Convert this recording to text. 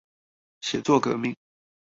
寫作革命